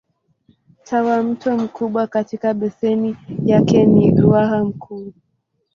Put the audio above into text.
Tawimto mkubwa katika beseni yake ni Ruaha Mkuu.